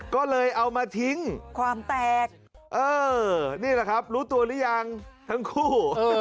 ก็เลยเอามาทิ้งความแตกเออนี่แหละครับรู้ตัวหรือยังทั้งคู่